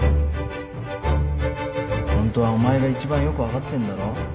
ホントはお前が一番よく分かってんだろ？